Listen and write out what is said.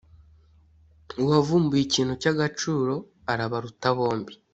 uwavumbuye ikintu cy’agaciro, arabaruta bombi.